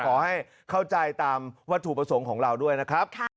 แล้วก็ไม่ใช่ว่าถูกประสงค์ของเราด้วยนะครับ